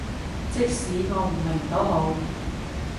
即使我唔明都好